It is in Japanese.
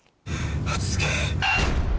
落ち着け。